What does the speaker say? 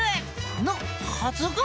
のはずが。